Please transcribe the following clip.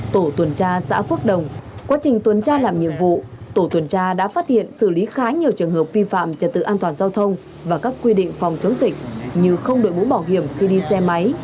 tổ tuần tra xã phước đồng quá trình tuần tra làm nhiệm vụ tổ tuần tra đã phát hiện xử lý khá nhiều trường hợp vi phạm trật tự an toàn giao thông và các quy định phòng chống dịch như không đội bũ bảo hiểm khi đi xe máy